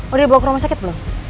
udah dibawa ke rumah sakit belum